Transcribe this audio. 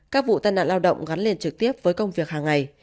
các vụ tai nạn lao động gắn liền trực tiếp với công việc hàng ngày